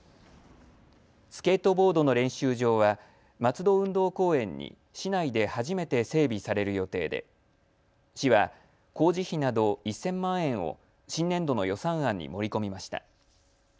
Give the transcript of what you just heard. スケートボードの練習場は松戸運動公園に市内で初めて整備される予定で市は工事費など１０００万円を新年度の予算案に盛り込みました。